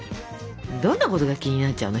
どんなことが気になっちゃうの？